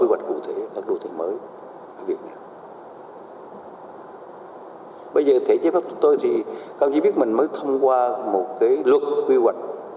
bây giờ thể chế pháp của tôi thì không chỉ biết mình mới thông qua một luật quy hoạch